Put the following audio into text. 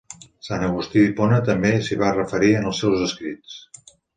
Sant Agustí d'Hipona també s'hi va referir en els seus escrits.